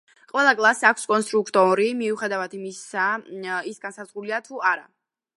ყველა კლასს აქვს კონსტრუქტორი მიუხედავად იმისა, ის განსაზღვრულია თუ არა.